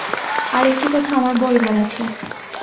আর-একটি কথা আমার বলবার আছে।